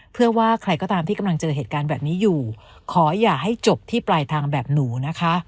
เพื่อว่าใครก็ตามที่กำลังเจอเหตุการณ์แบบนี้อยู่ขออย่าให้จบที่ปลายทางแบบหนูนะคะ